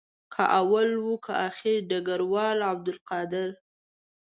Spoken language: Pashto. که اول وو که آخر ډګروال عبدالقادر.